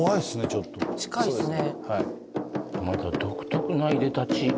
ちょっとまた独特ないでたち